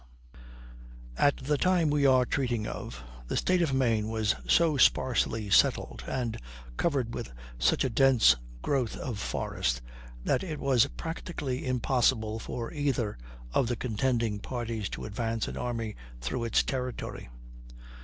_ At the time we are treating of, the State of Maine was so sparsely settled, and covered with such a dense growth of forest, that it was practically impossible for either of the contending parties to advance an army through its territory.